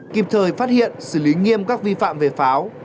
kịp thời phát hiện xử lý nghiêm các vi phạm về pháo